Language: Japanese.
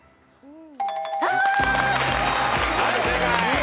はい正解。